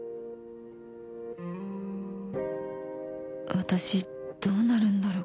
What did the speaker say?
私どうなるんだろう？